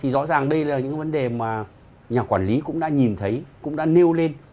rõ ràng đây là những vấn đề mà nhà quản lý cũng đã nhìn thấy cũng đã nêu lên